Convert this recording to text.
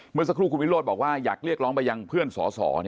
เมื่อสักครู่คุณวิโรธบอกว่าอยากเรียกร้องไปยังเพื่อนสอสอ